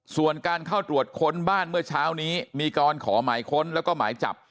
ส่วนการเข้าตรวจค้นบ้านเมื่อเช้านี้มีการขอหมายค้นแล้วก็หมายจับ